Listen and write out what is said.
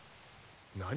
何？